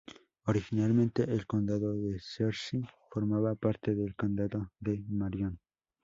Originalmente el condado de Searcy formaba parte del condado de Marion.